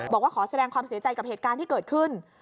บอกว่าขอแสดงความเสียใจกับเหตุการณ์ที่เกิดขึ้น